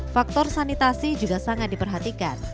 faktor sanitasi juga sangat diperhatikan